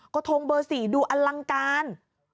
ทงเบอร์๔ดูอลังการ